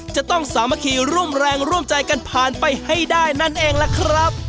จะต้องสามัคคีร่วมแรงร่วมใจกันผ่านไปให้ได้นั่นเองล่ะครับ